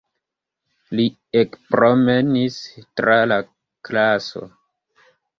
Li ekpromenis tra la klaso.